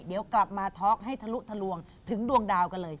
เดี๋ยวกลับมาท็อกให้ทะลุทะลวงถึงดวงดาวกันเลยค่ะ